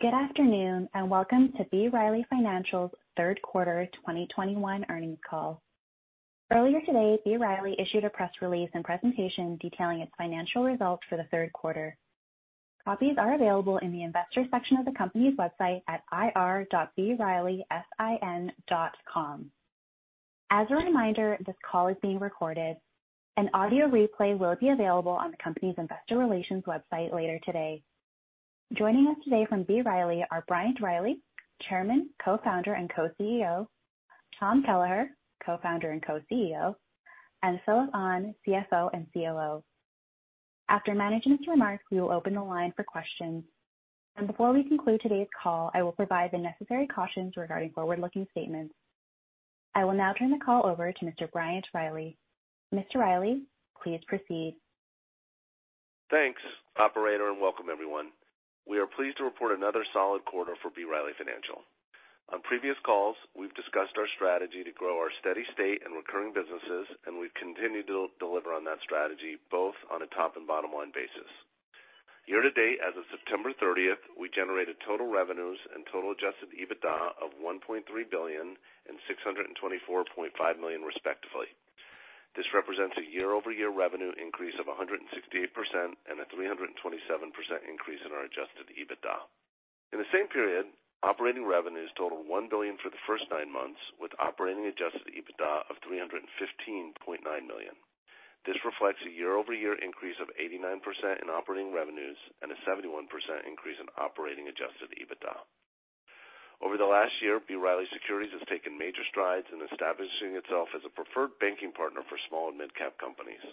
Good afternoon, and welcome to B. Riley Financial's third quarter 2021 earnings call. Earlier today, B. Riley issued a press release and presentation detailing its financial results for the third quarter. Copies are available in the Investors section of the company's website at ir.brileyfin.com. As a reminder, this call is being recorded. An audio replay will be available on the company's investor relations website later today. Joining us today from B. Riley are Bryant Riley, Chairman, Co-founder, and Co-CEO; Tom Kelleher, Co-founder and Co-CEO; and Phil Ahn, CFO and COO. After management's remarks, we will open the line for questions. Before we conclude today's call, I will provide the necessary cautions regarding forward-looking statements. I will now turn the call over to Mr. Bryant Riley. Mr. Riley, please proceed. Thanks, operator, and welcome everyone. We are pleased to report another solid quarter for B. Riley Financial. On previous calls, we've discussed our strategy to grow our steady state and recurring businesses, and we've continued to deliver on that strategy, both on a top and bottom-line basis. Year to date, as of September 30, we generated total revenues and total adjusted EBITDA of $1.3 billion and $624.5 million, respectively. This represents a year-over-year revenue increase of 168% and a 327% increase in our adjusted EBITDA. In the same period, operating revenues totaled $1 billion for the first nine months, with operating adjusted EBITDA of $315.9 million. This reflects a year-over-year increase of 89% in operating revenues and a 71% increase in operating adjusted EBITDA. Over the last year, B. Riley Securities has taken major strides in establishing itself as a preferred banking partner for small and midcap companies.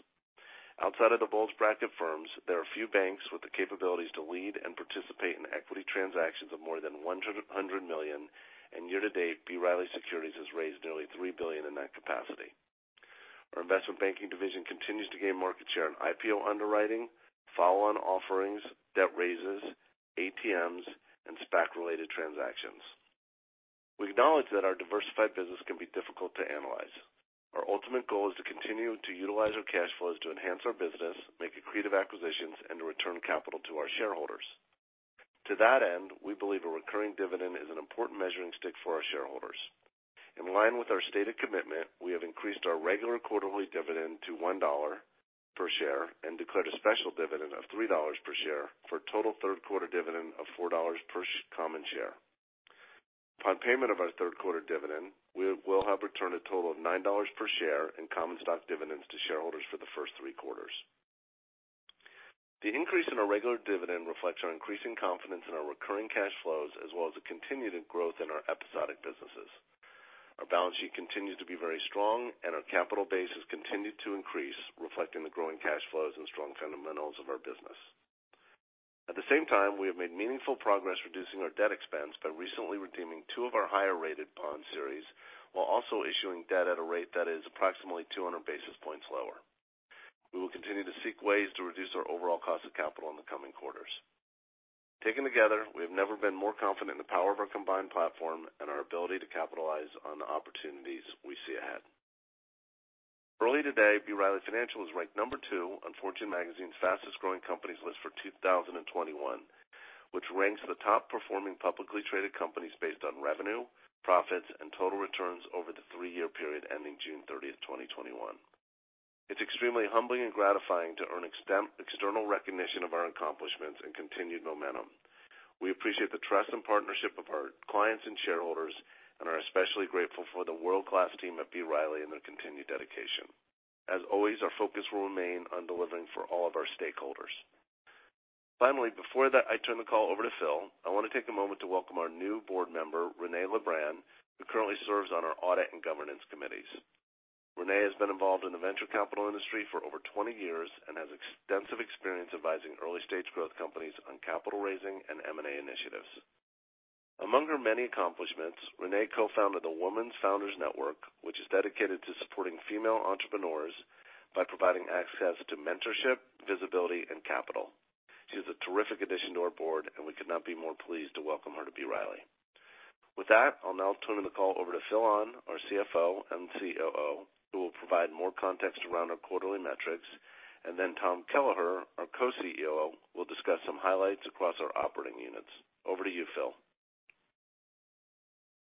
Outside of the bulge bracket firms, there are few banks with the capabilities to lead and participate in equity transactions of more than $100 million, and year to date, B. Riley Securities has raised nearly $3 billion in that capacity. Our investment banking division continues to gain market share in IPO underwriting, follow-on offerings, debt raises, ATMs, and SPAC-related transactions. We acknowledge that our diversified business can be difficult to analyze. Our ultimate goal is to continue to utilize our cash flows to enhance our business, make accretive acquisitions, and to return capital to our shareholders. To that end, we believe a recurring dividend is an important measuring stick for our shareholders. In line with our stated commitment, we have increased our regular quarterly dividend to $1 per share and declared a special dividend of $3 per share for a total third quarter dividend of $4 per common share. Upon payment of our third quarter dividend, we will have returned a total of $9 per share in common stock dividends to shareholders for the first three quarters. The increase in our regular dividend reflects our increasing confidence in our recurring cash flows as well as the continued growth in our episodic businesses. Our balance sheet continues to be very strong and our capital base has continued to increase, reflecting the growing cash flows and strong fundamentals of our business. At the same time, we have made meaningful progress reducing our debt expense by recently redeeming two of our higher-rated bond series, while also issuing debt at a rate that is approximately 200 basis points lower. We will continue to seek ways to reduce our overall cost of capital in the coming quarters. Taken together, we have never been more confident in the power of our combined platform and our ability to capitalize on the opportunities we see ahead. Early today, B. Riley Financial was ranked number two on Fortune's Fastest-Growing Companies list for 2021, which ranks the top-performing publicly traded companies based on revenue, profits, and total returns over the three-year period ending June 30, 2021. It's extremely humbling and gratifying to earn external recognition of our accomplishments and continued momentum. We appreciate the trust and partnership of our clients and shareholders and are especially grateful for the world-class team at B. Riley and their continued dedication. As always, our focus will remain on delivering for all of our stakeholders. Finally, before I turn the call over to Phil, I want to take a moment to welcome our new board member, Renée LaBran, who currently serves on our audit and governance committees. Renée has been involved in the venture capital industry for over 20 years and has extensive experience advising early-stage growth companies on capital raising and M&A initiatives. Among her many accomplishments, Renée co-founded the Women Founders Network, which is dedicated to supporting female entrepreneurs by providing access to mentorship, visibility, and capital. She is a terrific addition to our board, and we could not be more pleased to welcome her to B. Riley. With that, I'll now turn the call over to Phil Ahn, our CFO and COO, who will provide more context around our quarterly metrics. Tom Kelleher, our Co-CEO, will discuss some highlights across our operating units. Over to you, Phil.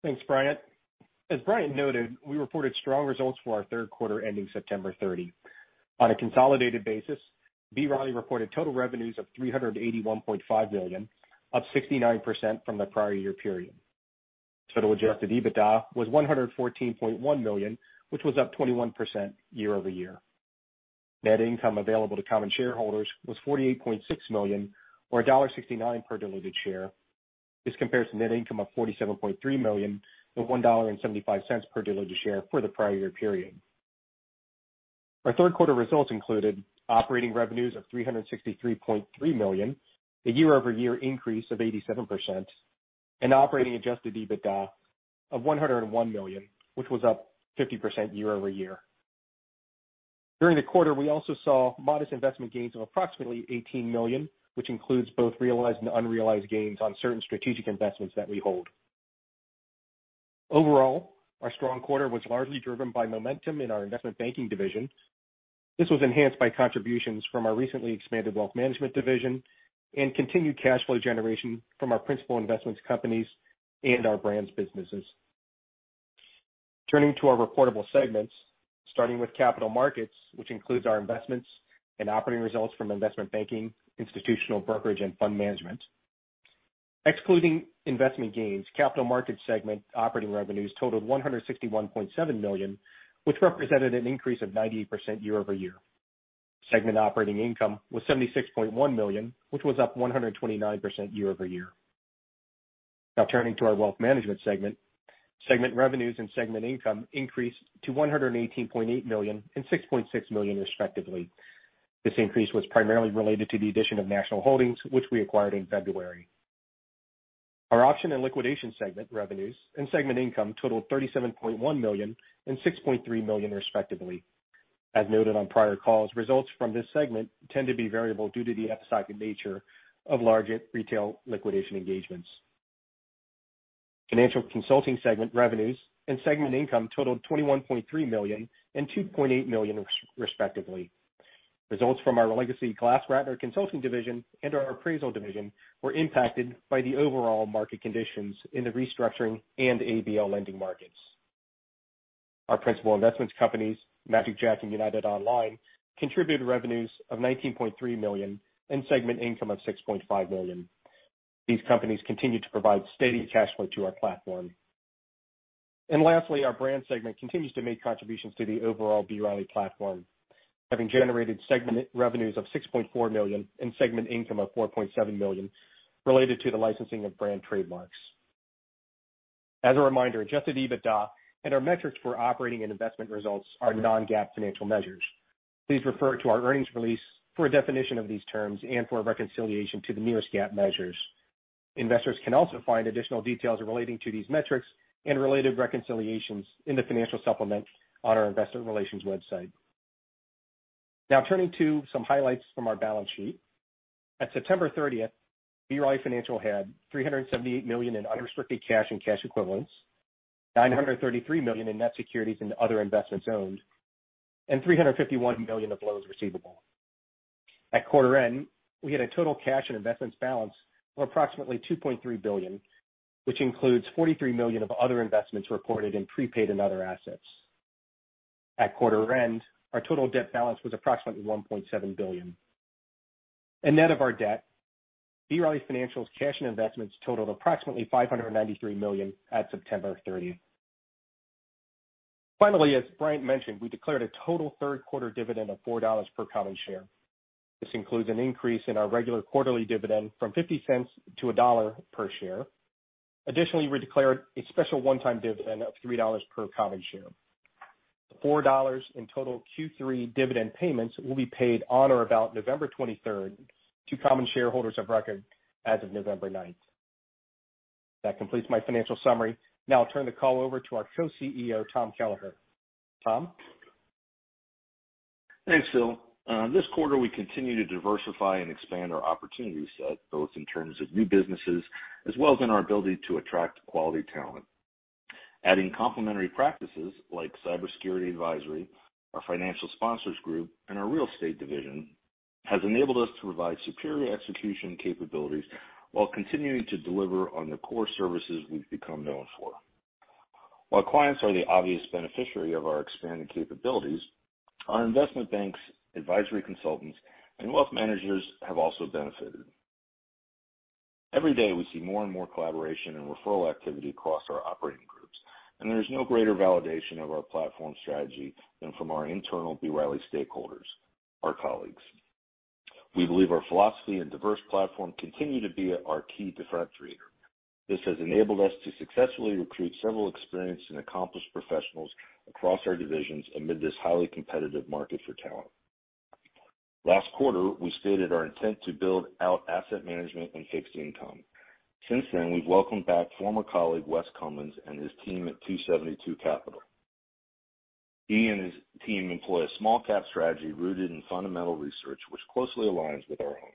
Thanks, Bryant. As Bryant noted, we reported strong results for our third quarter ending September 30. On a consolidated basis, B. Riley reported total revenues of $381.5 million, up 69% from the prior year period. Total adjusted EBITDA was $114.1 million, which was up 21% year-over-year. Net income available to common shareholders was $48.6 million or $1.69 per diluted share. This compares to net income of $47.3 million or $1.75 per diluted share for the prior year period. Our third quarter results included operating revenues of $363.3 million, a year-over-year increase of 87%, and operating adjusted EBITDA of $101 million, which was up 50% year-over-year. During the quarter, we also saw modest investment gains of approximately $18 million, which includes both realized and unrealized gains on certain strategic investments that we hold. Overall, our strong quarter was largely driven by momentum in our investment banking division. This was enhanced by contributions from our recently expanded wealth management division and continued cash flow generation from our principal investments companies and our brands businesses. Turning to our reportable segments, starting with Capital Markets, which includes our investments and operating results from investment banking, institutional brokerage, and fund management. Excluding investment gains, Capital Markets segment operating revenues totaled $161.7 million, which represented an increase of 98% year-over-year. Segment operating income was $76.1 million, which was up 129% year-over-year. Now turning to our Wealth Management segment. Segment revenues and segment income increased to $118.8 million and $6.6 million, respectively. This increase was primarily related to the addition of National Holdings, which we acquired in February. Our auction and liquidation segment revenues and segment income totaled $37.1 million and $6.3 million, respectively. As noted on prior calls, results from this segment tend to be variable due to the episodic nature of large retail liquidation engagements. Financial consulting segment revenues and segment income totaled $21.3 million and $2.8 million, respectively. Results from our legacy GlassRatner consulting division and our appraisal division were impacted by the overall market conditions in the restructuring and ABL lending markets. Our principal investments companies, magicJack and United Online, contributed revenues of $19.3 million and segment income of $6.5 million. These companies continue to provide steady cash flow to our platform. Lastly, our brand segment continues to make contributions to the overall B. Riley platform, having generated segment revenues of $6.4 million and segment income of $4.7 million related to the licensing of brand trademarks. As a reminder, adjusted EBITDA and our metrics for operating and investment results are non-GAAP financial measures. Please refer to our earnings release for a definition of these terms and for a reconciliation to the nearest GAAP measures. Investors can also find additional details relating to these metrics and related reconciliations in the financial supplement on our investor relations website. Now turning to some highlights from our balance sheet. At September 30, B. Riley Financial had $378 million in unrestricted cash and cash equivalents, $933 million in net securities and other investments owned, and $351 million of loans receivable. At quarter end, we had a total cash and investments balance of approximately $2.3 billion, which includes $43 million of other investments reported in prepaid and other assets. At quarter end, our total debt balance was approximately $1.7 billion. Net of our debt, B. Riley Financial's cash and investments totaled approximately $593 million at September 30. Finally, as Bryant mentioned, we declared a total third quarter dividend of $4 per common share. This includes an increase in our regular quarterly dividend from $0.50 to $1 per share. Additionally, we declared a special one-time dividend of $3 per common share. $4 in total Q3 dividend payments will be paid on or about November twenty-third to common shareholders of record as of November ninth. That completes my financial summary. Now I'll turn the call over to our Co-CEO, Tom Kelleher. Tom? Thanks, Phil. This quarter we continue to diversify and expand our opportunity set, both in terms of new businesses as well as in our ability to attract quality talent. Adding complementary practices like cybersecurity advisory, our financial sponsors group, and our real estate division has enabled us to provide superior execution capabilities while continuing to deliver on the core services we've become known for. While clients are the obvious beneficiary of our expanded capabilities, our investment banks, advisory consultants, and wealth managers have also benefited. Every day we see more and more collaboration and referral activity across our operating groups, and there's no greater validation of our platform strategy than from our internal B. Riley stakeholders, our colleagues. We believe our philosophy and diverse platform continue to be our key differentiator. This has enabled us to successfully recruit several experienced and accomplished professionals across our divisions amid this highly competitive market for talent. Last quarter, we stated our intent to build out asset management and fixed income. Since then, we've welcomed back former colleague Wes Cummins and his team at 272 Capital. He and his team employ a small-cap strategy rooted in fundamental research which closely aligns with our own.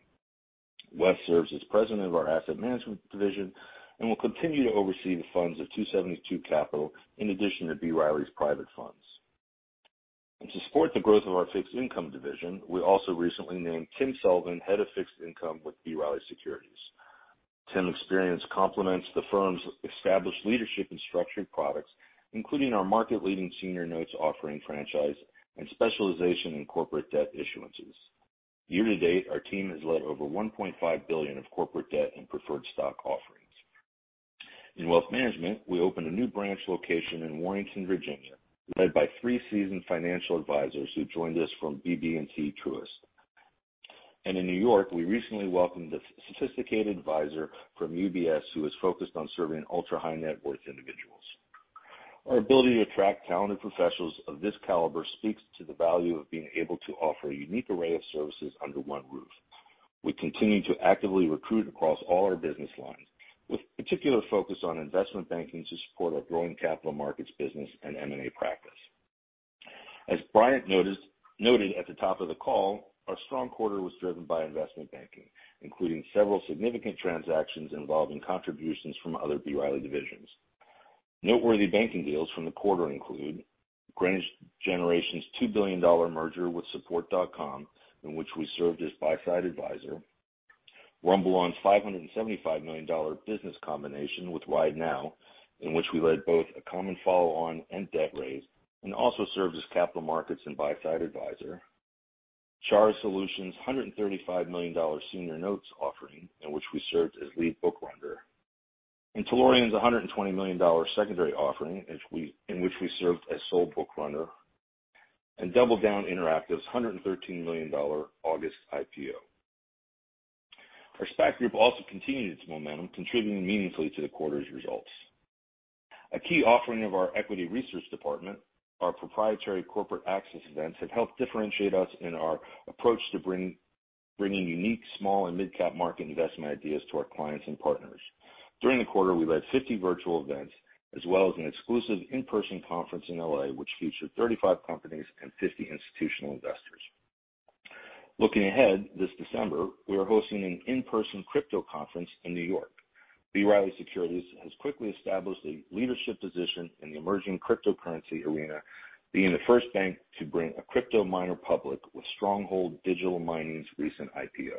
Wes serves as President of our asset management division and will continue to oversee the funds of 272 Capital in addition to B. Riley's private funds. To support the growth of our fixed income division, we also recently named Tim Sullivan Head of Fixed Income with B. Riley Securities. Tim's experience complements the firm's established leadership in structured products, including our market-leading senior notes offering franchise and specialization in corporate debt issuances. Year to date, our team has led over $1.5 billion of corporate debt and preferred stock offerings. In wealth management, we opened a new branch location in Warrenton, Virginia, led by three seasoned financial advisors who joined us from BB&T Truist. In New York, we recently welcomed a sophisticated advisor from UBS who is focused on serving ultra-high net worth individuals. Our ability to attract talented professionals of this caliber speaks to the value of being able to offer a unique array of services under one roof. We continue to actively recruit across all our business lines with particular focus on investment banking to support our growing capital markets business and M&A practice. As Bryant noted at the top of the call, our strong quarter was driven by investment banking, including several significant transactions involving contributions from other B. Riley divisions. Noteworthy banking deals from the quarter include Greenidge Generation's $2 billion merger with Support.com, in which we served as buy-side advisor. RumbleOn's $575 million business combination with RideNow, in which we led both a common follow-on and debt raise and also served as capital markets and buy-side advisor. Charah Solutions' $135 million senior notes offering, in which we served as lead book runner. Telaria's $120 million secondary offering, in which we served as sole book runner. DoubleDown Interactive's $113 million August IPO. Our SPAC group also continued its momentum, contributing meaningfully to the quarter's results. A key offering of our equity research department, our proprietary corporate access events, have helped differentiate us in our approach to bringing unique small and mid-cap market investment ideas to our clients and partners. During the quarter, we led 50 virtual events as well as an exclusive in-person conference in L.A., which featured 35 companies and 50 institutional investors. Looking ahead, this December, we are hosting an in-person crypto conference in New York. B. Riley Securities has quickly established a leadership position in the emerging cryptocurrency arena, being the first bank to bring a crypto miner public with Stronghold Digital Mining's recent IPO.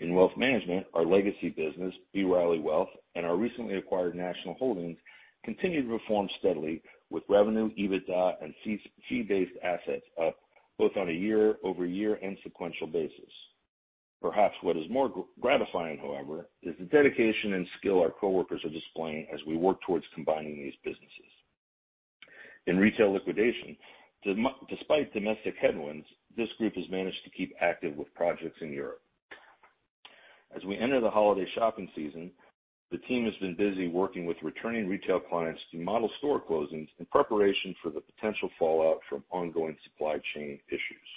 In wealth management, our legacy business, B. Riley Wealth, and our recently acquired National Holdings continued to perform steadily with revenue, EBITDA, and fee-based assets up both on a year-over-year and sequential basis. Perhaps what is more gratifying, however, is the dedication and skill our coworkers are displaying as we work towards combining these businesses. In retail liquidation, despite domestic headwinds, this group has managed to keep active with projects in Europe. As we enter the holiday shopping season, the team has been busy working with returning retail clients to model store closings in preparation for the potential fallout from ongoing supply chain issues.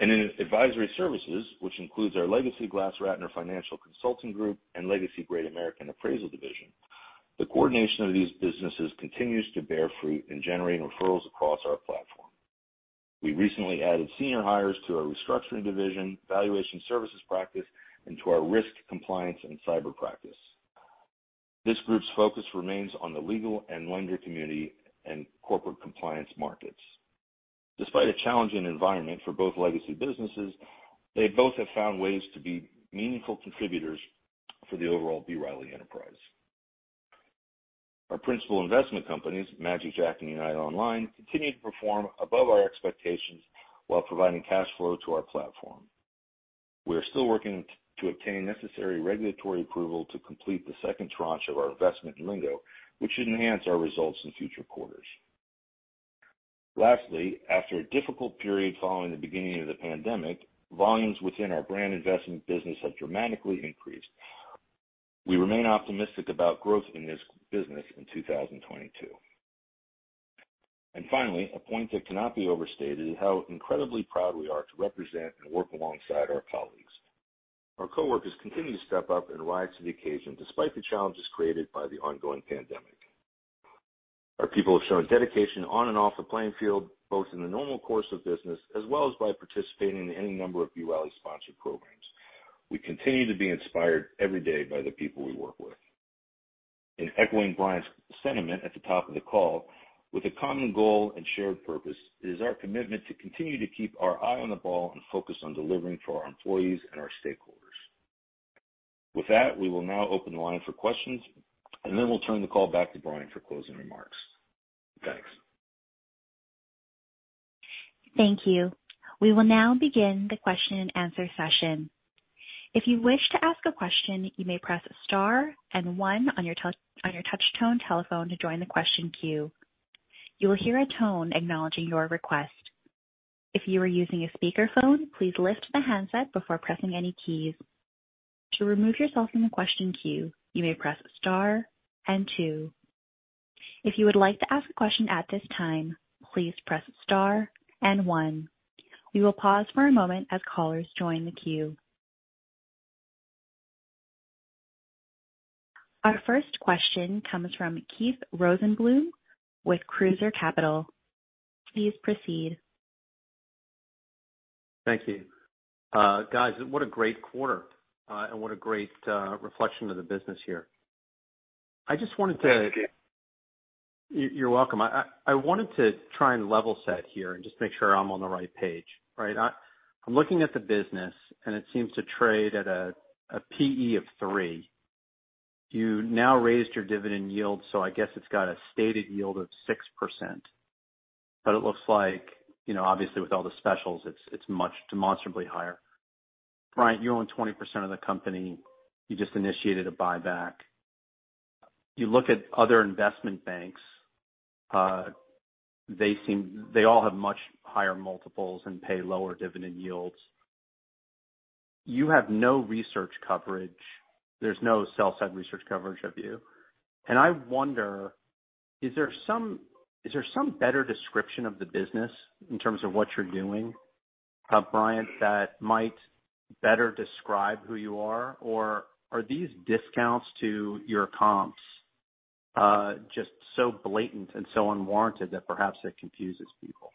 In advisory services, which includes our legacy GlassRatner Financial Consulting Group and legacy Great American Appraisal Division, the coordination of these businesses continues to bear fruit in generating referrals across our platform. We recently added senior hires to our restructuring division, valuation services practice, and to our risk, compliance, and cyber practice. This group's focus remains on the legal and lender community and corporate compliance markets. Despite a challenging environment for both legacy businesses, they both have found ways to be meaningful contributors for the overall B. Riley enterprise. Our principal investment companies, magicJack and United Online, continue to perform above our expectations while providing cash flow to our platform. We are still working to obtain necessary regulatory approval to complete the second tranche of our investment in Lendo, which should enhance our results in future quarters. Lastly, after a difficult period following the beginning of the pandemic, volumes within our brand investment business have dramatically increased. We remain optimistic about growth in this business in 2022. Finally, a point that cannot be overstated is how incredibly proud we are to represent and work alongside our colleagues. Our coworkers continue to step up and rise to the occasion despite the challenges created by the ongoing pandemic. Our people have shown dedication on and off the playing field, both in the normal course of business as well as by participating in any number of B. Riley-sponsored programs. We continue to be inspired every day by the people we work with. In echoing Bryants sentiment at the top of the call, with a common goal and shared purpose, it is our commitment to continue to keep our eye on the ball and focus on delivering for our employees and our stakeholders. With that, we will now open the line for questions, and then we'll turn the call back to Bryant for closing remarks. Thanks. Thank you. We will now begin the question and answer session. If you wish to ask a question, you may press star and one on your touch-tone telephone to join the question queue. You will hear a tone acknowledging your request. If you are using a speakerphone, please lift the handset before pressing any keys. To remove yourself from the question queue, you may press star and two. If you would like to ask a question at this time, please press star and one. We will pause for a moment as callers join the queue. Our first question comes from Keith Rosenbloom with Cruiser Capital. Please proceed. Thank you. Guys, what a great quarter, and what a great reflection of the business here. I just wanted to. Thank you. You're welcome. I wanted to try and level set here and just make sure I'm on the right page, right? I'm looking at the business, and it seems to trade at a PE of three. You now raised your dividend yield, so I guess it's got a stated yield of 6%. But it looks like, you know, obviously with all the specials, it's much demonstrably higher. Brian, you own 20% of the company. You just initiated a buyback. You look at other investment banks, they all have much higher multiples and pay lower dividend yields. You have no research coverage. There's no sell-side research coverage of you. I wonder, is there some better description of the business in terms of what you're doing? Brian, that might better describe who you are? Are these discounts to your comps just so blatant and so unwarranted that perhaps it confuses people?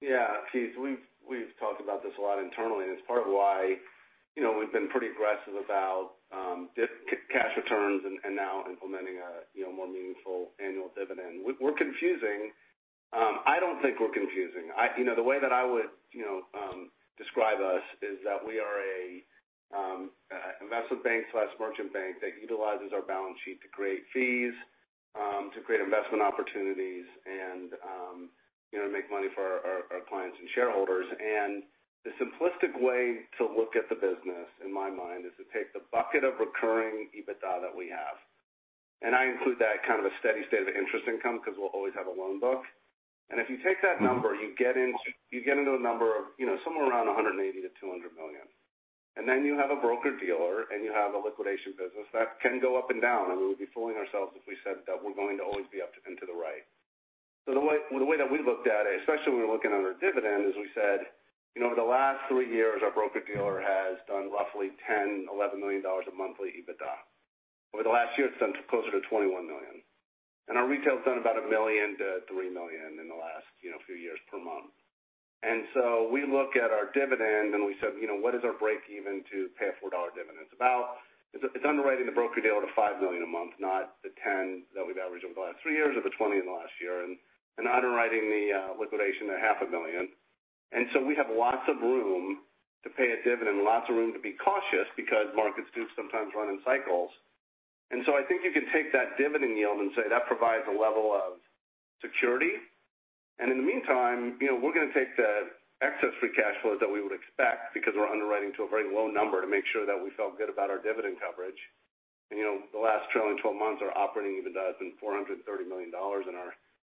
Yeah. Keith, we've talked about this a lot internally, and it's part of why, you know, we've been pretty aggressive about cash returns and now implementing a, you know, more meaningful annual dividend. We're confusing. I don't think we're confusing. You know, the way that I would, you know, describe us is that we are a investment bank/merchant bank that utilizes our balance sheet to create fees, to create investment opportunities and, you know, make money for our clients and shareholders. The simplistic way to look at the business, in my mind, is to take the bucket of recurring EBITDA that we have, and I include that kind of a steady state of interest income because we'll always have a loan book. If you take that number, you get into a number of, you know, somewhere around $180 million-$200 million. Then you have a broker-dealer, and you have a liquidation business that can go up and down. We would be fooling ourselves if we said that we're going to always be up and to the right. The way that we looked at it, especially when we're looking at our dividend, is we said, you know, over the last three years, our broker-dealer has done roughly $10-11 million of monthly EBITDA. Over the last year, it's done closer to $21 million. Our retail's done about $1 million-$3 million in the last, you know, few years per month. We look at our dividend and we said, you know, "What is our break-even to pay a $4 dividend?" It's underwriting the broker-dealer to $5 million a month, not the 10 that we've averaged over the last three years or the 20 in the last year, and underwriting the liquidation at $ half a million. We have lots of room to pay a dividend, lots of room to be cautious because markets do sometimes run in cycles. I think you can take that dividend yield and say that provides a level of security. In the meantime, you know, we're gonna take the excess free cash flow that we would expect because we're underwriting to a very low number to make sure that we felt good about our dividend coverage. You know, the last trailing twelve months, our operating EBITDA has been $400 million, and our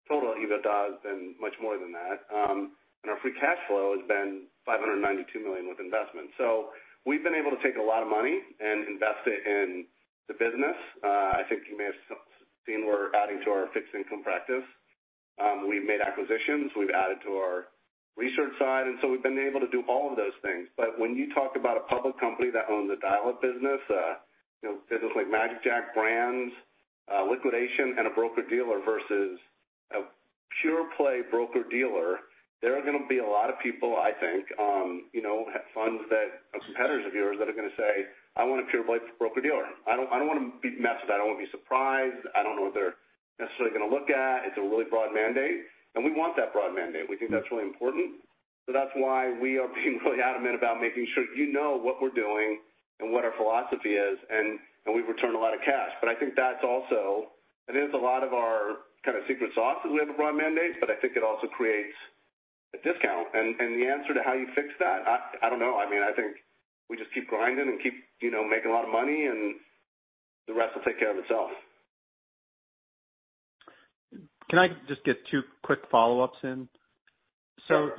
total EBITDA has been much more than that. Our free cash flow has been $592 million with investments. We've been able to take a lot of money and invest it in the business. I think you may have seen we're adding to our fixed income practice. We've made acquisitions. We've added to our research side, and so we've been able to do all of those things. When you talk about a public company that owns a dial-up business, you know, business like magicJack brands, liquidation, and a broker-dealer versus a pure play broker-dealer, there are gonna be a lot of people, I think, you know, funds that are competitors of yours that are gonna say, "I want a pure play broker-dealer. I don't wanna be messed with. I don't wanna be surprised. I don't know what they're necessarily gonna look at. It's a really broad mandate." We want that broad mandate. We think that's really important. That's why we are being really adamant about making sure you know what we're doing and what our philosophy is and we've returned a lot of cash. I think that's also. It is a lot of our kind of secret sauce that we have broad mandates, but I think it also creates a discount. The answer to how you fix that, I don't know. I mean, I think we just keep grinding and keep, you know, making a lot of money and the rest will take care of itself. Can I just get two quick follow-ups in? Sure.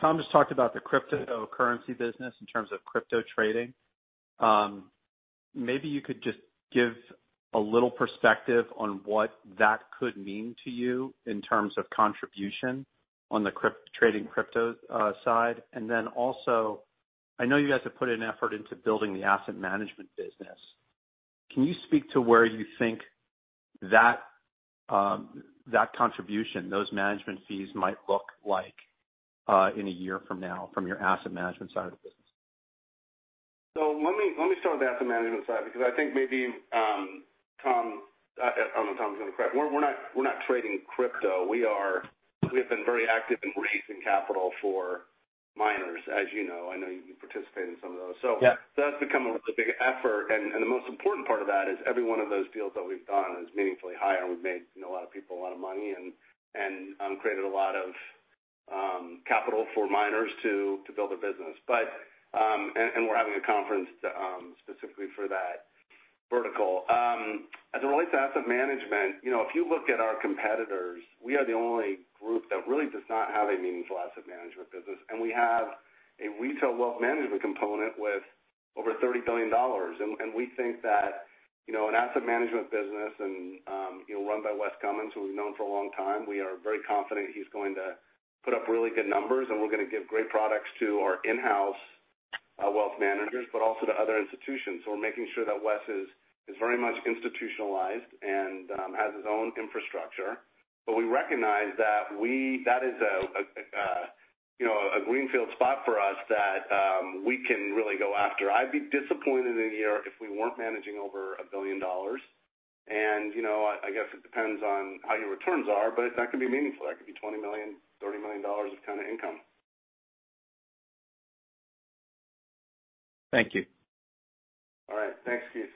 Tom just talked about the cryptocurrency business in terms of crypto trading. Maybe you could just give a little perspective on what that could mean to you in terms of contribution on the trading crypto side. I know you guys have put an effort into building the asset management business. Can you speak to where you think that contribution, those management fees might look like in a year from now from your asset management side of the business? Let me start with the asset management side, because I think maybe Tom, I don't know if Tom's gonna correct. We're not trading crypto. We have been very active in raising capital for miners, as you know. I know you participate in some of those. Yeah. That's become a big effort. The most important part of that is every one of those deals that we've done is meaningfully higher. We've made, you know, a lot of people a lot of money and created a lot of capital for miners to build their business. We're having a conference to specifically for that vertical. As it relates to asset management, you know, if you look at our competitors, we are the only group that really does not have a meaningful asset management business. We have a retail wealth management component with over $30 billion. We think that, you know, an asset management business and, you know, run by Wes Cummins, who we've known for a long time, we are very confident he's going to put up really good numbers, and we're gonna give great products to our in-house, wealth managers, but also to other institutions. We're making sure that Wes is very much institutionalized and has his own infrastructure. We recognize that that is a, you know, a greenfield spot for us that we can really go after. I'd be disappointed in a year if we weren't managing over $1 billion. You know, I guess it depends on how your returns are, but that could be meaningful. That could be $20 million, $30 million dollars of kind of income. Thank you. All right. Thanks, Keith.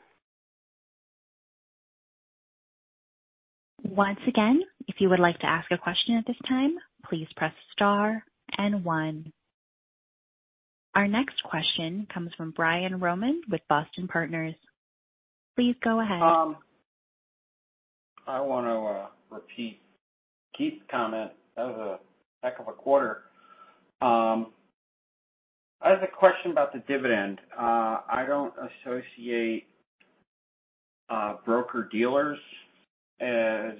Once again, if you would like to ask a question at this time, please press star and one. Our next question comes from Brian Rohman with Boston Partners. Please go ahead. I wanna repeat Keith's comment. That was a heck of a quarter. I have a question about the dividend. I don't associate broker-dealers as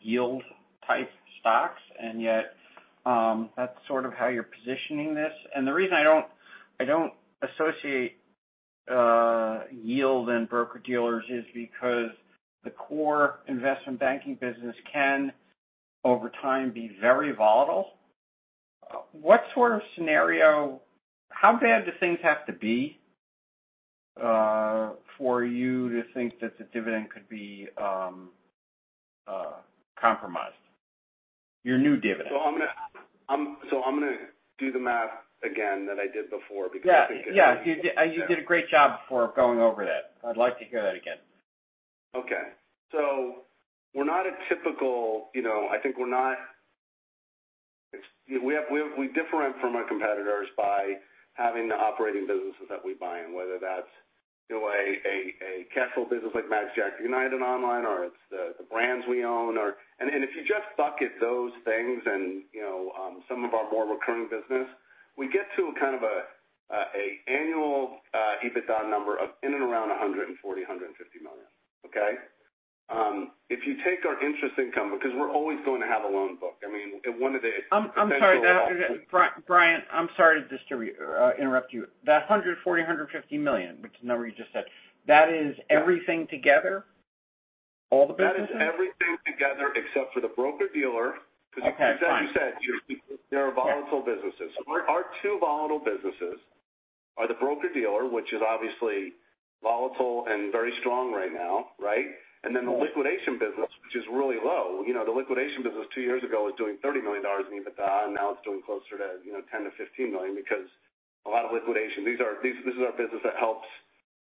yield-type stocks, and yet, that's sort of how you're positioning this. The reason I don't associate yield and broker-dealers is because the core investment banking business can, over time, be very volatile. What sort of scenario. How bad do things have to be for you to think that the dividend could be compromised? Your new dividend. I'm gonna do the math again that I did before because I think it Yeah. You did a great job before of going over that. I'd like to hear that again. Okay. We're not a typical, you know. I think we're different from our competitors by having the operating businesses that we buy and whether that's, you know, a casual business like magicJack United Online or it's the brands we own. If you just bucket those things and, you know, some of our more recurring business, we get to kind of an annual EBITDA number of in and around $140 million-$150 million. If you take our interest income, because we're always going to have a loan book. I mean, one of the potential I'm sorry. Brian, I'm sorry just to interrupt you. That $140-$150 million, which is the number you just said, that is everything together? All the businesses? That is everything together except for the broker-dealer. Okay, fine. 'Cause as you said, they are volatile businesses. Our two volatile businesses are the broker-dealer, which is obviously volatile and very strong right now, right? Then the liquidation business, which is really low. You know, the liquidation business two years ago was doing $30 million in EBITDA, and now it's doing closer to, you know, $10 million-$15 million because a lot of liquidation. This is our business that helps,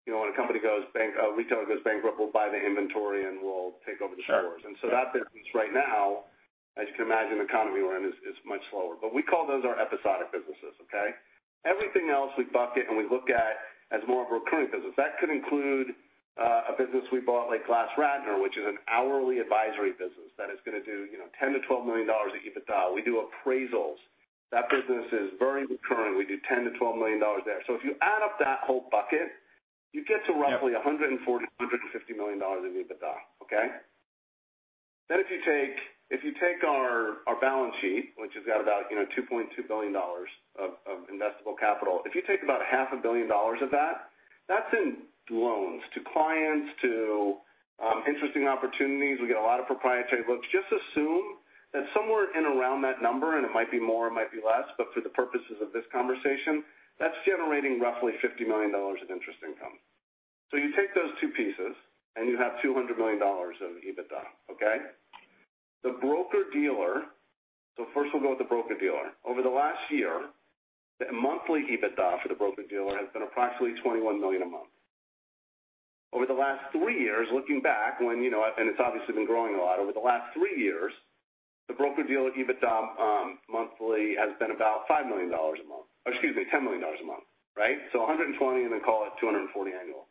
you know, when a retailer goes bankrupt, we'll buy the inventory, and we'll take over the stores. Sure. That business right now, as you can imagine, the economy we're in is much slower. But we call those our episodic businesses, okay? Everything else we bucket and we look at as more of a recurring business. That could include a business we bought like GlassRatner, which is an hourly advisory business that is gonna do, you know, $10 million-$12 million of EBITDA. We do appraisals. That business is very recurring. We do $10 million-$12 million there. So if you add up that whole bucket, you get to roughly $140 million-$150 million in EBITDA, okay? Then if you take our balance sheet, which has got about, you know, $2.2 billion of investable capital. If you take about half a billion dollars of that's in loans to clients, to interesting opportunities. We get a lot of proprietary looks. Just assume that somewhere in around that number, and it might be more, it might be less, but for the purposes of this conversation, that's generating roughly $50 million of interest income. You take those two pieces, and you have $200 million of EBITDA, okay? The broker-dealer. First we'll go with the broker-dealer. Over the last year, the monthly EBITDA for the broker-dealer has been approximately $21 million a month. Over the last three years, looking back when, you know, and it's obviously been growing a lot. Over the last three years, the broker-dealer EBITDA monthly has been about $5 million a month. Or excuse me, $10 million a month, right? 120, and then call it 240 annual.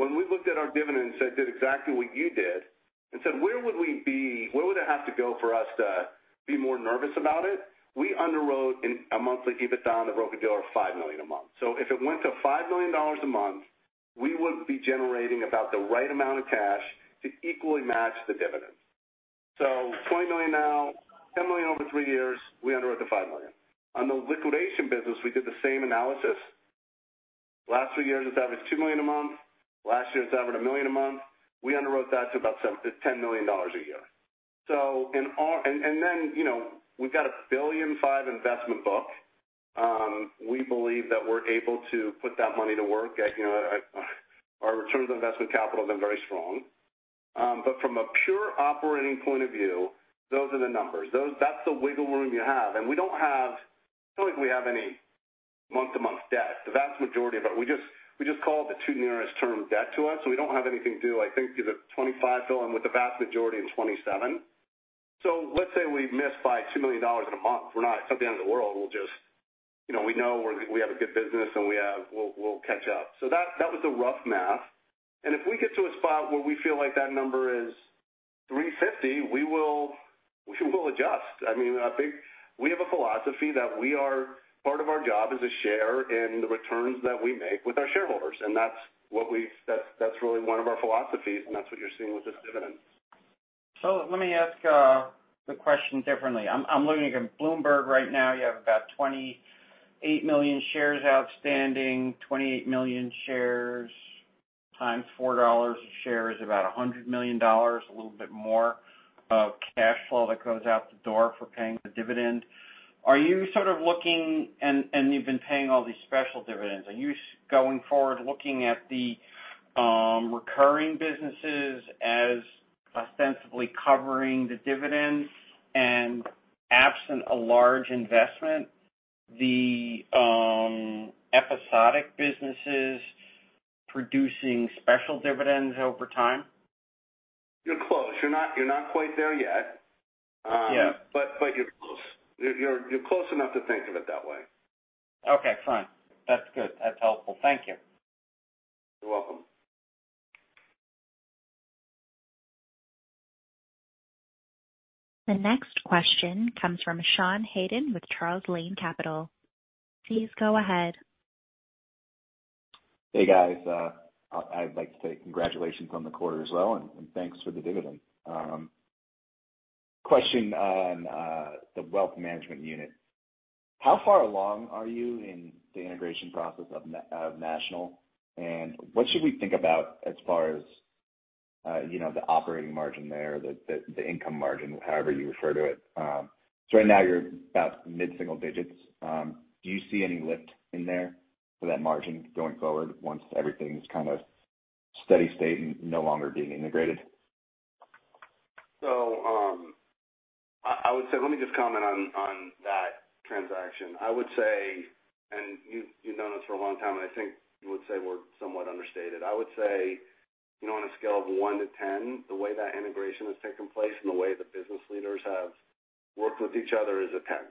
When we looked at our dividends and did exactly what you did and said, "Where would we be? Where would it have to go for us to be more nervous about it?" We underwrote in a monthly EBITDA on the broker-dealer of $5 million a month. If it went to $5 million a month, we would be generating about the right amount of cash to equally match the dividend. $20 million now, $10 million over three years, we underwrite the $5 million. On the liquidation business, we did the same analysis. Last three years, it's averaged $2 million a month. Last year, it's averaged $1 million a month. We underwrote that to about seven to $10 million a year. You know, we've got a $1.5 billion investment book. We believe that we're able to put that money to work. You know, our returns on investment capital have been very strong. But from a pure operating point of view, those are the numbers. That's the wiggle room you have. We don't have. I don't think we have any month-to-month debt. The vast majority of it we call the two nearest-term debt to us, so we don't have anything due, I think, till 2025 and with the vast majority in 2027. Let's say we miss by $2 million in a month. We're not. It's not the end of the world. We'll just you know we know we have a good business, and we'll catch up. That was the rough math. If we get to a spot where we feel like that number is $350, we will adjust. I mean, I think we have a philosophy that we are part of our job is to share in the returns that we make with our shareholders. That's really one of our philosophies, and that's what you're seeing with this dividend. Let me ask the question differently. I'm looking at Bloomberg right now. You have about 28 million shares outstanding. 28 million shares times $4 a share is about $100 million, a little bit more of cash flow that goes out the door for paying the dividend. Are you sort of looking? You've been paying all these special dividends. Are you going forward looking at the recurring businesses as ostensibly covering the dividends and absent a large investment the episodic businesses producing special dividends over time? You're close. You're not quite there yet. Yeah. You're close. You're close enough to think of it that way. Okay, fine. That's good. That's helpful. Thank you. You're welcome. The next question comes from Sean Haydon with Charles Lane Capital. Please go ahead. Hey, guys. I'd like to say congratulations on the quarter as well, and thanks for the dividend. Question on the wealth management unit. How far along are you in the integration process of National? And what should we think about as far as you know the operating margin there, the income margin, however you refer to it? Right now you're about mid-single digits. Do you see any lift in there for that margin going forward once everything's kinda steady-state and no longer being integrated? I would say, let me just comment on that transaction. I would say, you've known us for a long time, and I think you would say we're somewhat understated. I would say, you know, on a scale of 1 to 10, the way that integration has taken place and the way the business leaders have worked with each other is a 10.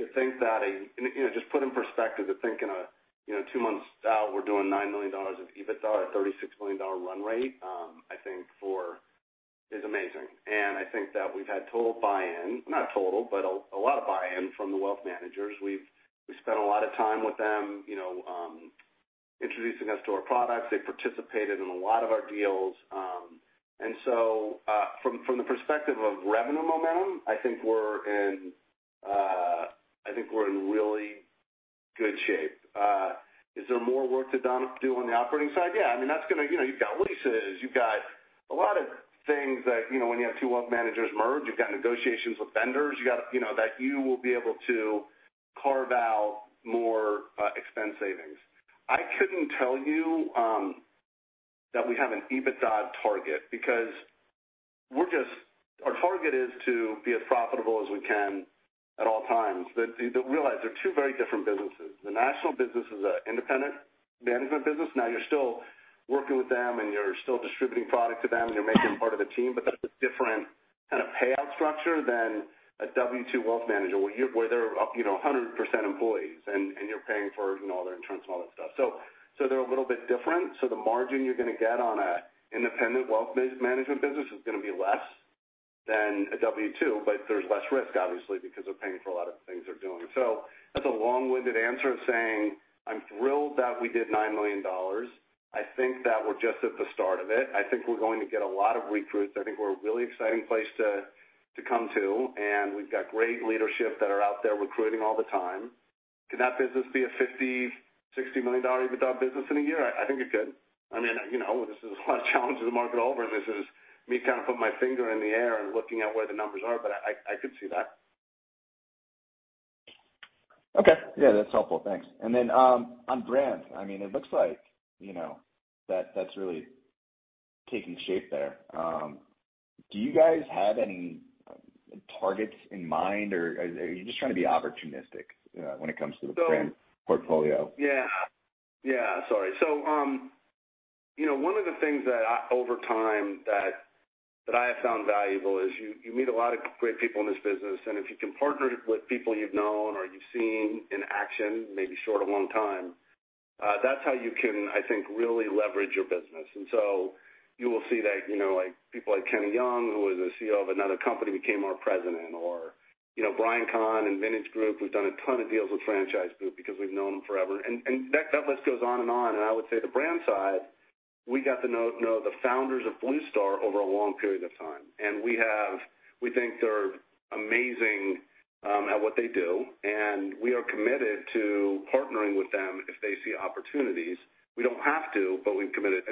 To think, you know, just put in perspective, in two months out, we're doing $90 million of EBITDA at $36 million run rate, I think is amazing. I think that we've had total buy-in, not total, but a lot of buy-in from the wealth managers. We've spent a lot of time with them, you know, introducing us to our products. They participated in a lot of our deals. From the perspective of revenue momentum, I think we're in really good shape. Is there more work to do on the operating side? Yeah. I mean, that's gonna. You know, you've got leases, you've got a lot of things that, you know, when you have two wealth managers merge, you've got negotiations with vendors. You got, you know, that you will be able to carve out more, expense savings. I couldn't tell you that we have an EBITDA target because we're just. Our target is to be as profitable as we can at all times. You don't realize they're two very different businesses. The national business is an independent management business. Now, you're still working with them, and you're still distributing product to them, and you're making them part of the team, but that's a different kind of payout structure than a W-2 wealth manager, where they're up, you know, 100% employees, and you're paying for, you know, all their insurance and all that stuff. They're a little bit different. The margin you're gonna get on a independent wealth-based management business is gonna be less than a W-2, but there's less risk obviously because they're paying for a lot of things they're doing. That's a long-winded answer of saying I'm thrilled that we did $9 million. I think that we're just at the start of it. I think we're going to get a lot of recruits. I think we're a really exciting place to come to, and we've got great leadership that are out there recruiting all the time. Can that business be a $50-$60 million EBITDA business in a year? I think it could. I mean, you know, this is a lot of challenges to make it over. This is me kinda putting my finger in the air and looking at where the numbers are. I could see that. Okay. Yeah, that's helpful. Thanks. On brand, I mean, it looks like, you know, that's really taking shape there. Do you guys have any targets in mind, or are you just trying to be opportunistic, when it comes to the brand portfolio? You know, one of the things over time that I have found valuable is you meet a lot of great people in this business, and if you can partner with people you've known or you've seen in action, maybe short or long time, that's how you can, I think, really leverage your business. You will see that, you know, like, people like Kenny Young, who was a CEO of another company, became our president. Or, you know, Brian Kahn and Vintage Group, who's done a ton of deals with Franchise Group because we've known them forever. That list goes on and on. I would say the brand side, we got to know the founders of Bluestar over a long period of time. We think they're amazing at what they do, and we are committed to partnering with them if they see opportunities. We don't have to, but we've committed.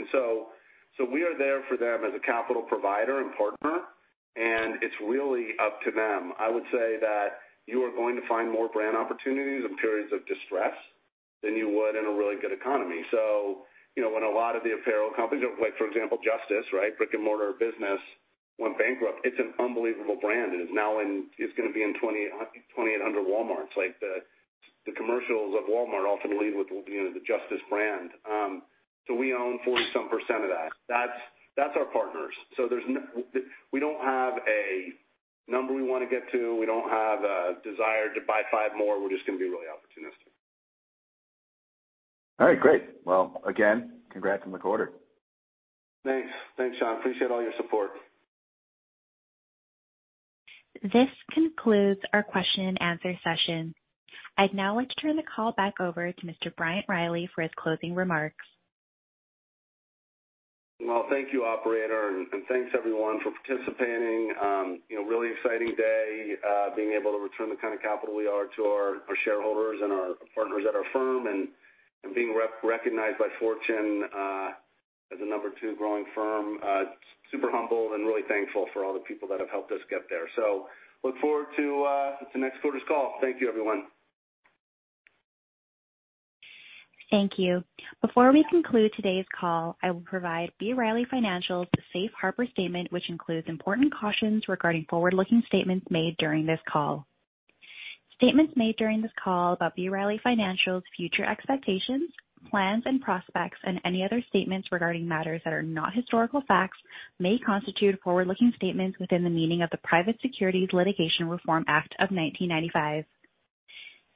We are there for them as a capital provider and partner, and it's really up to them. I would say that you are going to find more brand opportunities in periods of distress than you would in a really good economy. You know, when a lot of the apparel companies, like, for example, Justice, right, brick-and-mortar business, went bankrupt. It's an unbelievable brand, and it's now in 2,800 Walmarts. Like, the commercials of Walmart often lead with will be in the Justice brand. We own 47% of that. That's our partners. We don't have a number we wanna get to. We don't have a desire to buy five more. We're just gonna be really opportunistic. All right. Great. Well, again, congrats on the quarter. Thanks. Thanks, Sean. I appreciate all your support. This concludes our question and answer session. I'd now like to turn the call back over to Mr. Bryant Riley for his closing remarks. Well, thank you, operator, and thanks everyone for participating. You know, really exciting day, being able to return the kind of capital we are to our shareholders and our partners at our firm and being recognized by Fortune as the number two growing firm. Super humbled and really thankful for all the people that have helped us get there. Look forward to next quarter's call. Thank you, everyone. Thank you. Before we conclude today's call, I will provide B. Riley Financials safe harbor statement, which includes important cautions regarding forward-looking statements made during this call. Statements made during this call aboutB. Riley Financial future expectations, plans and prospects and any other statements regarding matters that are not historical facts may constitute forward-looking statements within the meaning of the Private Securities Litigation Reform Act of 1995.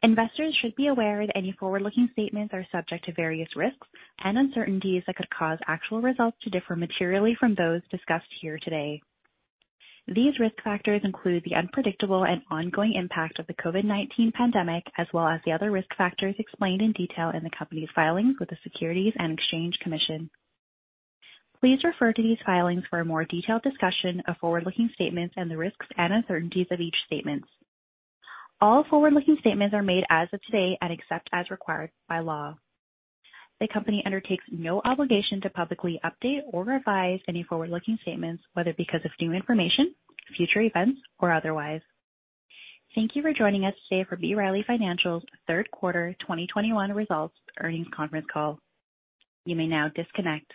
Investors should be aware that any forward-looking statements are subject to various risks and uncertainties that could cause actual results to differ materially from those discussed here today. These risk factors include the unpredictable and ongoing impact of the COVID-19 pandemic as well as the other risk factors explained in detail in the company's filings with the Securities and Exchange Commission. Please refer to these filings for a more detailed discussion of forward-looking statements and the risks and uncertainties of each statement. All forward-looking statements are made as of today and except as required by law. The company undertakes no obligation to publicly update or revise any forward-looking statements, whether because of new information, future events or otherwise. Thank you for joining us today for B. Riley Financial's third quarter 2021 results earnings conference call. You may now disconnect.